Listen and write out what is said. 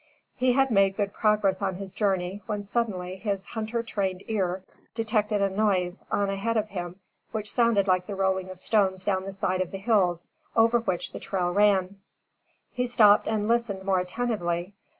He had made good progress on his journey when suddenly his hunter trained ear detected a noise on ahead of him which sounded like the rolling of stones down the side of the hills, over which the trail ran. He stopped and listened more attentively.